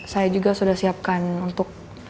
saya juga sudah siapkan untuk